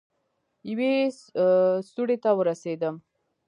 يوې سوړې ته ورسېدم.